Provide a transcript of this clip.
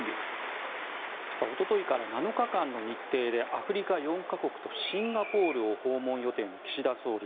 おとといから７日間の日程でアフリカ４か国とシンガポールを訪問予定の岸田総理。